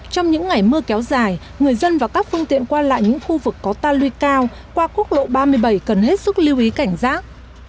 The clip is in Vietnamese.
trong những ngày mưa kéo dài người dân và các phương tiện qua lại những khu vực có ta lưu cao qua quốc lộ ba mươi bảy cần hết sức lưu ý cảnh giác